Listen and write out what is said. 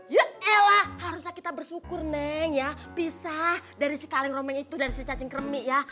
ya elah haruslah kita bersyukur neng ya bisa dari si kaleng rombeng itu dari si cacing kremi ya